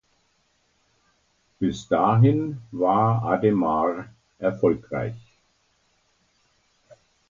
Bis dahin war Ademar erfolgreich.